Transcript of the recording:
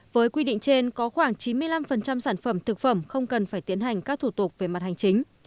với quy định trên có khoảng chín mươi năm sản phẩm thực phẩm không cần phải tiến hành các thủ tục về mặt hành chính